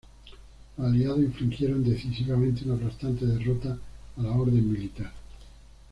Los aliados infligieron decisivamente una aplastante derrota a la orden militar.